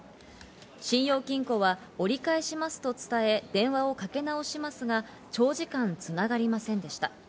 信用金庫は折り返しますと伝え、電話をかけなおしましたが、長時間、繋がりませんでした。